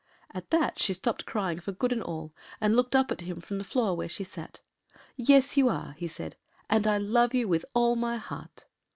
” At that she stopped crying for good and all, and looked up at him from the floor where she sat. “Yes you are,” he said, “and I love you with all my heart.